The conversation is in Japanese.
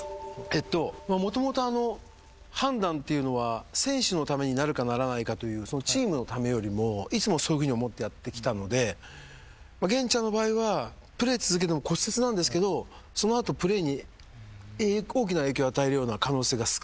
もともと判断っていうのは選手のためになるかならないかというチームのためよりもいつもそういうふうに思ってやってきたので源ちゃんの場合はプレー続けても骨折なんですけどその後プレーに大きな影響を与えるような可能性が少ない。